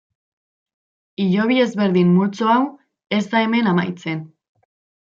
Hilobi ezberdin multzo hau ez da hemen amaitzen.